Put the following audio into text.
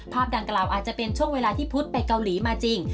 ดังกล่าวอาจจะเป็นช่วงเวลาที่พุทธไปเกาหลีมาจริง